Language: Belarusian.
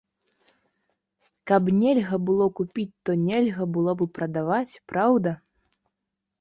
Каб нельга было купіць, то нельга было б і прадаваць, праўда?